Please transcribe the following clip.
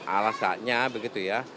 alasannya begitu ya